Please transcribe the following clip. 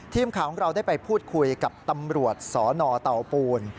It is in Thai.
ทีมข่าวของเราได้ไปพูดคุยกับตำรวจสนเตาปูน